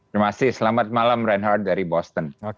terima kasih selamat malam reinhardt dari boston